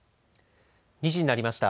２時になりました。